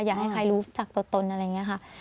อยากให้ใครรู้จักตัวตนอะไรอย่างนี้ค่ะ